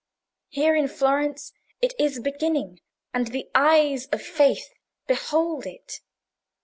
Here in Florence it is beginning, and the eyes of faith behold it.